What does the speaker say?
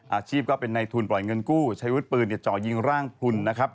อาชีพก็เป็นในทุนปล่อยเงินกู้ใช้วุฒิปืนจ่อยิงร่างพลุนนะครับ